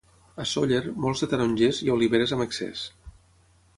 A Sóller, molts de tarongers, i oliveres amb excés.